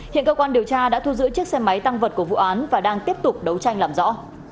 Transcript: hiện cơ quan điều tra đã thu giữ chiếc xe máy tăng vật của vụ án và đang tiếp tục đấu tranh làm rõ